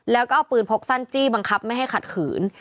แล้วก็เอาปืนพกสั้นจี้บังคับไม่ให้ขัดขืน